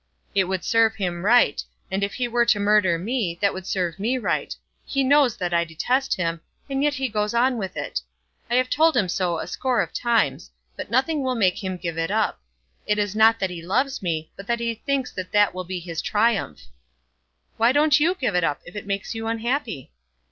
"It would serve him right; and if he were to murder me, that would serve me right. He knows that I detest him, and yet he goes on with it. I have told him so a score of times, but nothing will make him give it up. It is not that he loves me, but he thinks that that will be his triumph." "Why don't you give it up, if it makes you unhappy?"